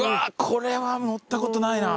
これは乗ったことないな。